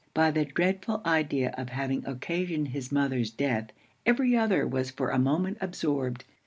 By the dreadful idea of having occasioned his mother's death, every other was for a moment absorbed.